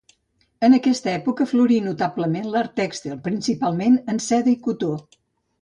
En aquesta època florí notablement l'art tèxtil, principalment en seda i cotó.